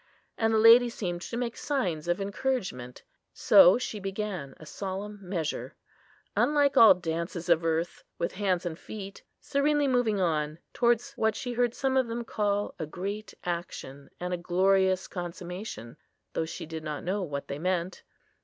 And the lady seemed to make signs of encouragement: so she began a solemn measure, unlike all dances of earth, with hands and feet, serenely moving on towards what she heard some of them call a great action and a glorious consummation, though she did not know what they meant.